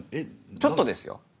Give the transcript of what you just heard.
ちょっとですよ？